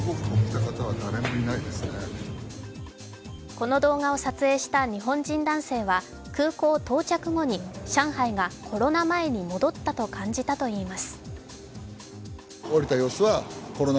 この動画を撮影した日本人男性は空港到着後に、上海がコロナ前に戻ったと感じたと言います。